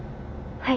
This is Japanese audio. はい。